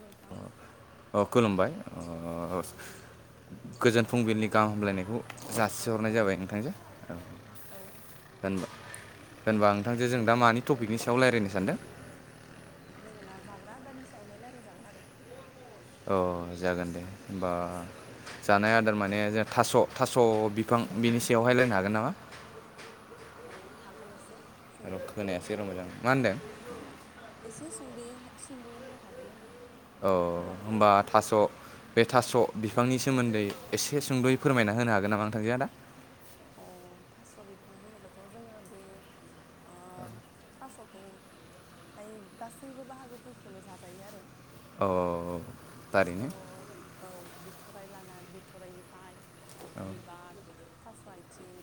नोथां औ खुलुमबाय ओ गोजोन नोंथाङा दा फुंबिलिनि गाहाम हामलायनायखौ औ जासिहरनाय औ जाबाय नोंथांजों। औ होन-होनबा नोंथांजों जों दा नोंथाङा मानि औ टपिकनि सायाव रायज्लायनो सानदों? जोङो ना जाग्रा आदारनि सायावनो रायलाय जागोन आरो। औ जागोन दे होमबा औ जानाय आदार मानि ने जों थास थास बिफां बिनि सायाव हाय रायलायनो हागोन नामा? औ हागोन एसे। र' सुंद'यैहाय खोनायासै र' मोजां मा होनदों? एसे सुंदयै सुंदयै हाय हागोन होनदों। अ' खोनादोंना होमबा थास बे थास औ बिफांनि सोमोन्दै एसे सुंदयै फोरमायना होनो हागोन नामा नोंथांजो दा? अ' थास बिफां होनोबाथ जोङो बे ओ थासखौ हाय गासैबो बाहागोफोरखौनो जाजायो आरो। अह थास' थारैनो। औ बिथराय लाना बिथरायनिफ्राय, बिबार, थास आइथिं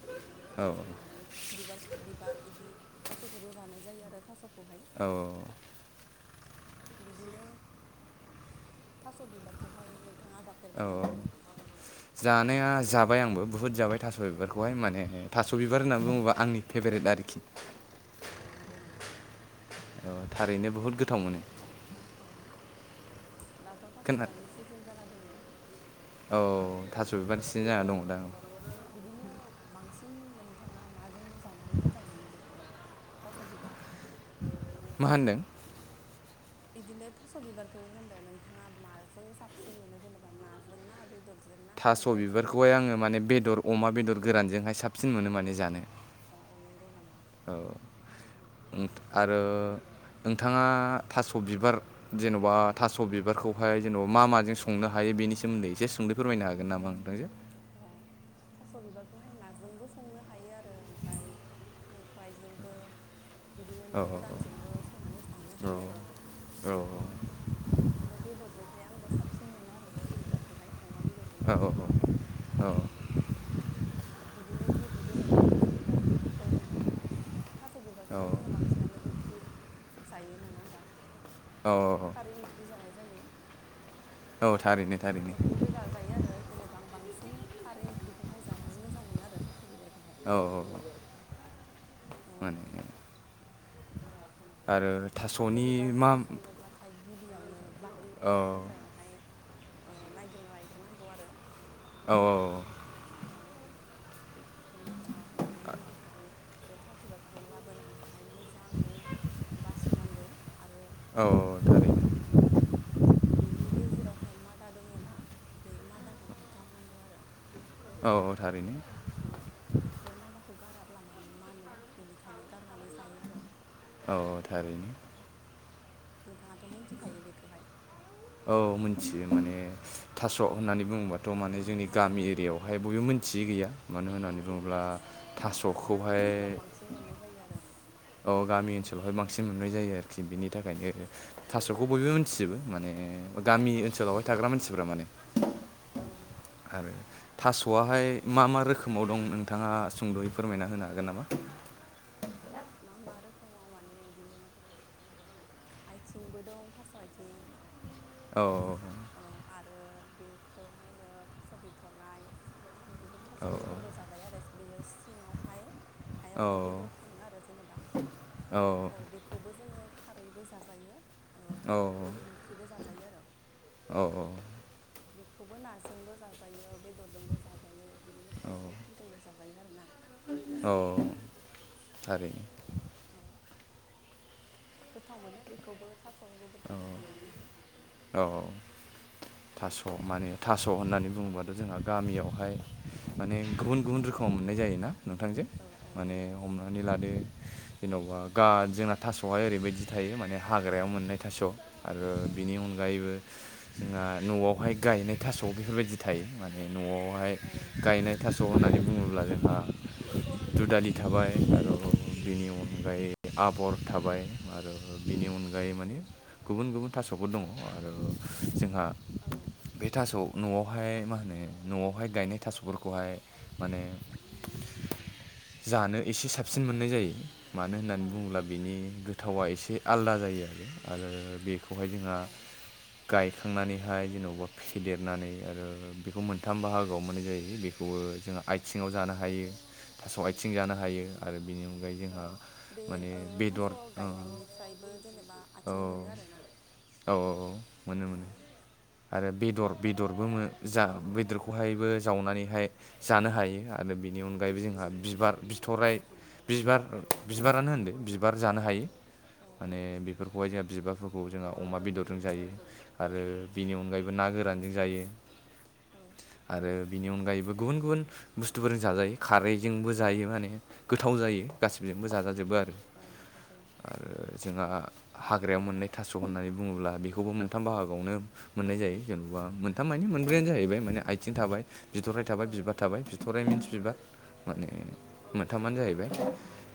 औ ओमफ्राय बिबारखो बिबार इदि गासैखौबो जानाय जायो आरो थासखौ हाय औ बिदिनो थास' बिबारखौ हाय नोंथाङा औ जाफेरबाय नामा? जानाया जाबाय आंबो बुहुद जाबाय थास औ बिबारखौ हाय माने थास' बिबार होनना बुङोबा आंनि फेभरेट आरोखि। औ नंगौ नामा ओ थारैनो बुहुत गोथाव मोनो। औ दाथ' थास खोना बिबारनि सिजोन जाना दोङो। औ थास' बिबारनि सिजोन जाना दङ' दां। बिदिनो बांसिन नोंथाङा माजों जानानै मोजां मोनो बेखौहाय? थास' बिबारखौहाय? मा होनदों? इदिनो थास' बिबारखौ होनदो नोंथाङा माजों साबसिन मोनो जेनेबा नाजों ना बेदर? थास' बिबारखौहाय आङो माने बेदर अमा बेदर गोरानजोंहाय साबसिन मोनो माने जानो। अ नंगौ नामा? औ उम आरो नोंथाङा थास' बिबार जेन'बा थास' बिबारखौहाय जेन'बा मा माजों संनो हायो बेनि सोमोन्दै एसे सुंदयै फोरमायनो हागोन नामा नोंथांजो? अ थास' बिबारखौहाय नाजोंबो संनो हायो आरो ओमफाय खांख्रायजोंबो, बिदिनो औ ना गोरानजोंबो संनानै जानो औ हायो आरो। बिदिनो बेदरजोंहाय आंबो साबसिन मोनो आरो थास' बिबारखौहाय अमा बेदरजोंहाय। औ बिदिनो गि जेनेबा थास' बिबार खो दों थास' औ बिबारखौथ' जोङो बांसिनानो ओंख्रि जायो नङा होमबा? अ। खारै ओंख्रि जानाय जायो। औ औ थारैनो थारैनो मोखैबो जाजायो आरो। जेनेबा आं बांसिन खारै ओंख्रिखौहाय जानानै मोजां मोनो आरो थास' बिबारखौ। औ औ अ। औ। आरो थास' थास'नि बिबारखौ मा संनोब्लाथाय गिबियावनो बारि एबा औ हाग्रायावहाय ओ नायग्रोना लायग्रोनांगौ आरो। औ औ। ओमफ्राय बेनि उनावहाय बे थास' बिबारखौ लाबोनानैहाय मोजाङै बासिनांगौ आरो औ। बेनि गेजेरावहाय मादा दङ ना बे मादाखौहाय गारनांगौ आरो। औ औ औ [inaudible] बे मादाखौ गाराब्ला माने मानो बेनिखायनो गारनानै जायो आरो। अ थारैनो। नोंथाङाथ' मोनथिखायो बेखौहाय? मोन्थियो माने औ थास' औ होननानै बुङोबाथ' माने जोंनि गामि एरियायावहाय बयबो मोन्थियै गैया। मानो औ होननानै औ बुङोब्ला गामि थास'खौहाय ओनसोलाव बांसिन मोननाय जायो आरो अ गामि ओनसोलावहाय बां सिन मोननाय जायो आरोखि बिनि औ थाखायनो। थास'खौ बयबो मिथिजोबो माने गामि औ ओनसोलावहाय नंगौ थाग्रा मानसिफोरा माने। औ। आरो थास'आहाय मा मा रोखोमाव दं नोंथाङा सुंद'यै फोरमायना होनो हागोन नामा? [inaudible] मा मा रोखोमाव माने इदिनो आइथिंबो दं थास' आइथिं। औ औ। औ आरो बेखौहायनो थास' बिथ'राइ ओमफ्राय थास' औ बेदरबो जाजायो आरो बियो सिङावहाय औ हायावहाय बेदर थाङो आरो जेनेबा। औ बेखौबो जोङो खारैबो जाजायो ओ औ आरो मिखिबो जाजायो आरो। औ औ। बेखौबो नाजोंबो जाजायो बेदरजोंबो जाजायो बिदिनो खांख्राइफोरजोंबो जाजायो आरोना। नोंथां अ। औ [inaudible] गोथाव मोनो बेखौबो थास' बेदरखौबो जानानैहाय। अ माने थास' होननानै बुङोबाथ' जोंहा गामियावहाय माने गुबुन गुबुन रोखोमाव मोननाय जायोना नोंथांजों औ औ माने नंगौ हमनानै लादो जेनेबा गा जोंना थास'हाय ओरैबायदि थायो माने हाग्रायाव मोननाय थास' आरो बेनि अनगा यैबो जों न'आव हाय गायनाय थास' बेफोरबायदि थायो माने न'आवहाय औ गायनाय थास' होननानै बुङोब्ला जोंहा दुदालि थाबाय आरो बिनि अनगायै आबर थाबाय आरो बिनि अनगायै माने गुबुन गुबुन थास सफोर दङ आरो जोंहा औ [inaudible] बे थास' न'आवहाय मा होनो न'आवहाय गायनाय थास'फोरखौहाय माने जानो एसे साबसिन मोननाय जायो। मानो औ होननानै बुङोब्ला नंगौ बेनि नामा गोथावा एसे आलादा जायो आरो आरो बे खौहाय जोंहा औ गायखांनानै जेनेबा फिदेरनानै आरो बेखौ मोनथाम बाहागोआव मोननाय जायो बेखौबो जों आथिङाव जानो हायो थास आथिं जानो हायो आरो बिनि अन ओमफाय औ जोंहा बे माने ओ थास' बेदर औ। गायनायनिफ्रायबो जेनेबा औ आथिं मोनो आरोना औ औ मोनो औ मोनो। आरो बेदर बेदरबो जा बेदरखौहायबो जावनानैहाय जानो हायो आरो बेनि नि अनगायैबो जोंहा बिबार बिथ'राइ बिबार बिबारानो होनदों बिबार जानो हायो। औ औ माने बेफोरखौहाय जोंहा बिबारफोरखौ जोंहा अमा बेदरजों जायो। आरो बिनि अनगायैबो ना गोरानजों जायो औ आरो बिनि अनगायैबो गुबुन गुबुन बुस्थुफोरजों जाजायो खारैजोंबो जायो माने गोथाव जायो‌। गासिजोंबो औ जाजाजोबो आरो औ गोथाव जायो आरो जोंहा हाग्रायाव मोननाय थास' होननानै बुङोब्ला बेखौबो मोनथाम बाहागोआवनो मोननाय जायो जेन'बा मोनथाम मानि मोनब्रायानो जाहैबाय माने आइथिं थाबाय बिथ'राइ थाबाय औ बिबार थाबाय बिथ'राइ मिन्स बिबार माने मोनथामानो जाहैबाय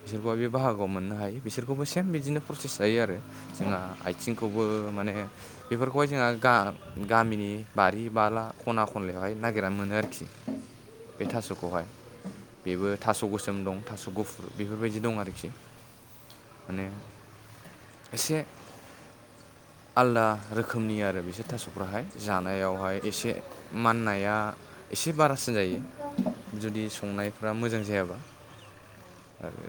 बिसोरखौ बे बाहागोआव मोननो हायो बिसोरखौबो सेम बिदिनो प्रसेस जायो आरो जोंहा औ आथिंखौबो माने बेफोरखौहाय जोंहा गा गामिनि बारि बाला खना खनलायावहाय नागिरना मोनो आरोखि। औ बे थास'खौहाय औ बेबो नंगौ थास' गोसोम दं थास' गुफुर बेफोरबायदि दं आरोखि औ माने एसे आलदा रोखोमनि आरो बिसोर थास' आहाय जानायावहाय एसे माननाया एसे बारासिन जायो। जुदि औ संनायफ्रा मोजां जायाबा औ आरो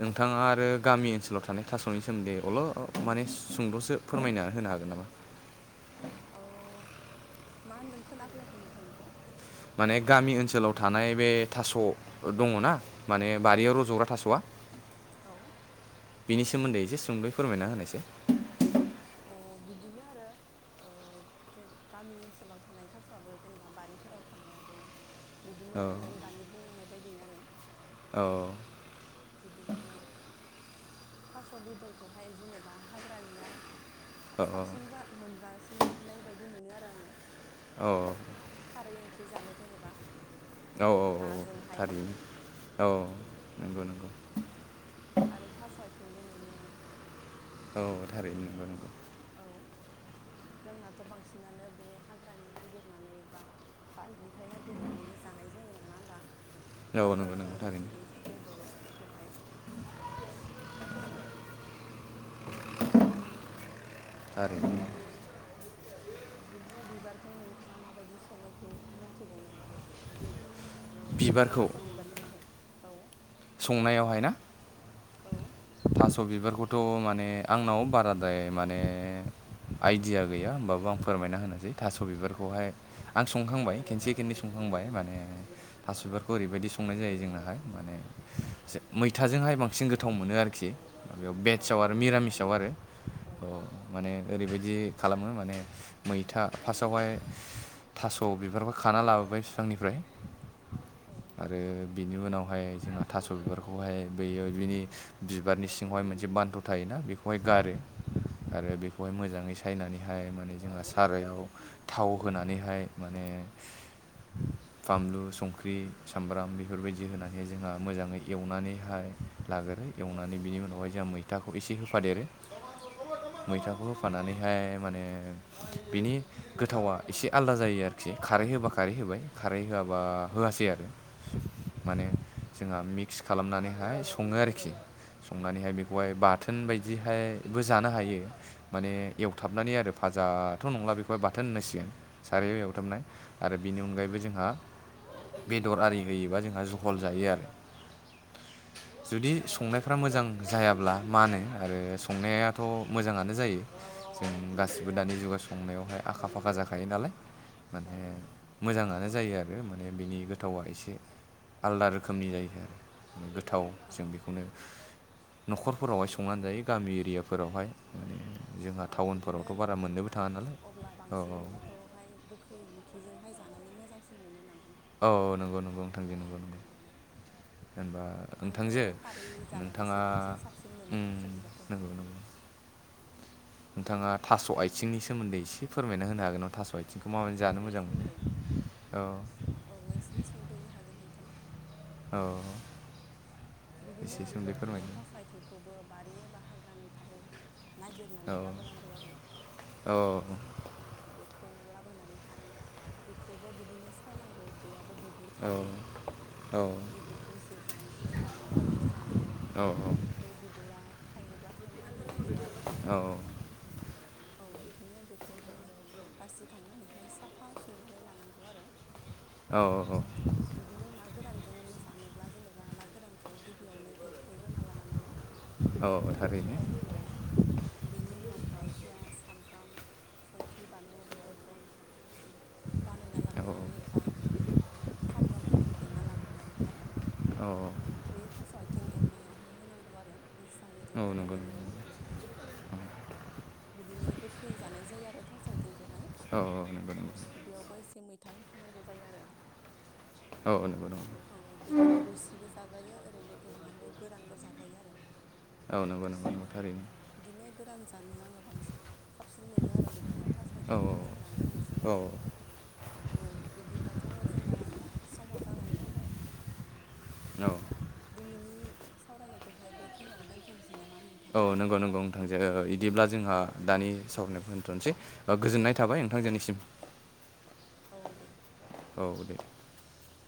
नोंथाङा आरो गामि ओनसोलाव थानाय थास'नि सोमोन्दै अल' माने सुंद'सो फोरमायनानै होनो हागोन नामा? [inaudible] औ मा होनदों खोनाफैयाखै नोंथांनिखौ। माने गामि ओनसोलाव थानाय बे थास' दङ ना माने औ बारियाव रज'ग्रा थास'आ औ बिनि सोमोन्दै एसे सुंदै फोरमायना होनायसै। औ बिदिनो आरो गामि ओनसोलाव थानाय थास'आबो जेनेबा बारिफोराव थानाया [inaudible] बिदिनो नों दानि बुंलांनाय बायदिनो आरो। औ बिदिनो थास' बेदरखौहाय जेनेबा हाग्रानिया औ साबसिन जा मोनजासिननाय बायदि मोनो आरो आङो। औ खारै ओंख्रि जानो जेनेबा। औ-औ-औ नाजोंहाय थारैनो औ नंगौ-नंगौ। आरो थास' आथिंबो मोनो औ-औ थारैनो नंगौ-नंगौ। औ। जोंनाथ' बांसिनानो बे हाग्रानि नागिरनानै बा बारिनिफ्राय नागिरनानैनो जानाय जायो नङा होमबा। औ थास' नंगौ नंगौ आइथिं थारैनो बिदि बेदरफोरखौहाय औ [unintelligible] बिदिनो बिबारखौ नोंथाङा माबायदि सङो बिखौ मोनथिगौ नामा? बिबारखौ थास बिबारखौहाय औ। संनायावहाय ना औ थास बिबारखौ थ' माने आंनाव बाराद्राय माने आइदिया गैया होमबाबो आं फोरमायना होनोसै। थास औ बिबारखौहाय आं संखांबाय खनसे खननै संखांबाय माने औ थासबिबारखौ ओरैबायदि संनाय जायो जोंनाहाय माने मैथाजोंहाय बांसिन गोथाव मोनो आरोखि। बेयाव भेसटआव औ आरो मैखि मिरामिसआव जानो आरो औ अ औ माने ओरैबायदि खालामो माने मैथा फास्टआवहाय थास' बिरफोरखौ खाना लाबोबाय बिफांनिफ्राय औ नंगौ आरो बिनि उनावहाय जोंहा थास' बिबारखौहाय बेयो बिनि बिबारनि सिङावहाय मोनसे बान्थ थायोना बेखौहाय गारो। आरो औ बेखौहाय मोजाङै स फ्राय खालामनानैहाय माने जोंहा सारायाव थाव होनानैहाय माने बानलु संख्रि सामब्राम बेफोरबायदि होनानै जोंहा मोजाङै एवनानैहाय लाग्रो एवनानै बिनि उनावहाय जोंहा मैथाखौ एसे होफादेरो औ मैथाखौ होफानानै बेहाय माने बिनि गोथावा एसे आलदा जायो आरोखि खारै होब्ला खारै होबाय खारै होआबा होआसै आरो। औ माने जोंहा मिक्स खालामनानैहाय सङो आरोखि। संनानैहाय औ बेखौहाय नंगौ बाथोन बायदिहायबो जानो हायो। माने एवथाबनानै आरो फाजाथ' नंला बेखौहाय बाथोन होनांसिगोन। सार औ एवथाबनाय आरो बिनि अनगायैबो जों जोंहा बेदर आरि होयोबा जोंहा जहल जायो आरो। जुदि औ नंगौ संनायफ्रा मोजां जायाब्ला मानो आरो संनायाथ' मोजाङानो जायो। जों औ गासिबो दानि जुगाव संनायावहाय आखा फाखा जाखायो नालाय। माने मोजाङानो जायगायाबो आरो माने बिनि गोथावा एसे आलदा रोखोम। खोमनि जायो आरो गोथाव औ जों बेखौनो। न'खरफोरावहाय संनानै जायो गामि एरियाफोरावहाय। जोंहा औ बिदिनो टाउनफोरावथ' बारा मोननोबो नोंथाङा थाङा नालाय अब्ला औ बांसिन बेखौहाय गोखै मिखिजोंहाय जाना [unintelligible] मोजांसिन मोनो नामा। औ औ नंगौ नंगौ नोंथां बे अ नंगौ नंगौ। नामा जैनबा आंथ' नोंथांजो खारै नोंथाङा जानानैसो बांसिन साबसिन मोनो उम थास' बिबारखौहाय नंगौ नंगौ नोंथाङा थास' आथिंनि सोमोन्दै एसे फोरमायना होनो हागोन नामा थास' आइथ बिथिंखौ माबै थास' जानो आथिंनि मोजां मोनो सोमोन्दै औ। औ एसे सुंद'यै हागोन नोंथां। औ। बिदिनो एसे सोमोन्दै बे फोरमायदो थास' आथिंखौबो बारि एबा हाग्रानिफ्राय औ नागिरनानै लाबोनांगौ आरो औ औ बेखौ ला लाबोनानैहाय बेखौबो बिदिनो सायनांगौ। बेयाबो बिगुर औ थायो औ बिगुरखौ जिरनानै लानांगौ गार आरो मोजाङै औ नङाबाथाय बे बिबुरा थायोब्लाथाय माननो नागिरो आरो। औ [unintelligible] बिदिनो बेखौबो बासिखांनानैहाय साफा सुननानै लानांगौ आरो। औ औ। जों जानोब्ला जेनेबा ना गोरानखौ गिबियावनो एवखांग्रोना लानांगौ। औ थारैनो औ बेनि उनावहाय पियास सामब्राम। संख्रि बानलु बेफोरखौ बानायना औ लाग्रोनानै एबा सामब्रामफोरखौ देना लाग्रोनानैहाय। औ बे थास' आथिं एवनायावहाय होनांगौ आरो। मोजाङै औ नंगौ नंगौ एवनांगौ बिदिनो गोखै जानाय जायो आरो थास' आथिंखौहाय औ औ नंगौ नंगौ बेयावबो इसे मै था होफानांगौ जायो आरो नंगौ नंगौ औ बेखौ रोसिबो जाजायो ओरैनो एवनानै गोरानबो जाजायो आरो औ नंगौ नंगौ। थारैनो बिदिनो गोरान जानो आङो बांसिन साबसिन मोनो आरो बेखौहाय थास औ आायथिंखौहाय ना गोरानजों औ औ बिदिब्लाथ' जोंना दा समा जानानै फैबाय दिनैनि सावरायनायखौहाय बेखिनियावनो दोनथ'नोसै नामा नोंथां औ नंगौ नंगौ नोंथांजो औ बिदिब्ला जोंहा दे बिदिब्ला दानि सावरायनायखौ होन्थ'नोसै औ गोजोननाय दे थाबाय नोंथांजोनिसिम [inaudible] औ दे [inaudible]